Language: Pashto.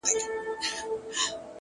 د ژوند کیفیت په فکر پورې تړلی.